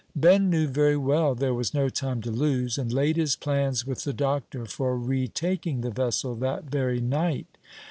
Ben knew very well there was no time to lose, and laid his plans with the doctor for re taking the vessel that very night.